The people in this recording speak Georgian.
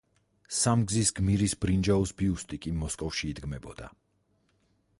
სამგზის გმირის ბრინჯაოს ბიუსტი კი მოსკოვში იდგმებოდა.